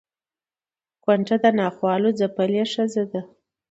کونډه د ناخوالو ځپلې ښځه ده